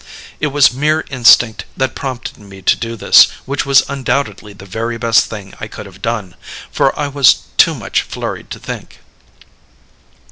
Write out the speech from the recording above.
"It was mere instinct that prompted me to do this, which was undoubtedly the very best thing I could have done; for I was too much flurried to think.